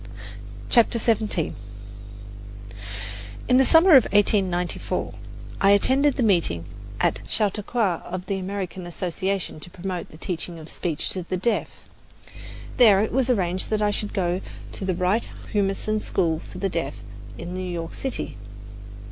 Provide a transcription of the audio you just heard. CHAPTER XVII In the summer of 1894, I attended the meeting at Chautauqua of the American Association to Promote the Teaching of Speech to the Deaf. There it was arranged that I should go to the Wright Humason School for the Deaf in New York City.